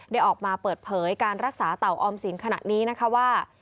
ออกมาเปิดเผยการรักษาเต่าออมสินขณะนี้นะคะว่า